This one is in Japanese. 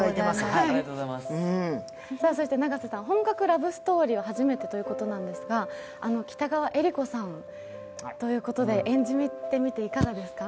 そして永瀬さん、本格ラブストーリーは初めてということなんですが、北川悦吏子さんということで、演じてみていかがですか？